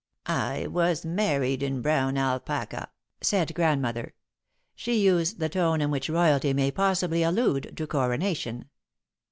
"I was married in brown alpaca," said Grandmother. She used the tone in which royalty may possibly allude to coronation.